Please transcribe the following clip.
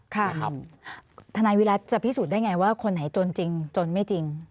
ทนายวิรัติจะพิสูจน์ได้ไงว่าคนไหนจนจริงจนไม่จริง